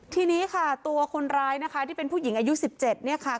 ทีนี้ค่ะตัวคนร้ายนะคะที่เป็นผู้หญิงอายุ๑๗เนี่ยค่ะ